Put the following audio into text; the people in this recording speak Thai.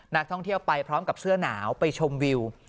นักท่องเที่ยวไปพร้อมกับเสื้อหนาวไปชมวิว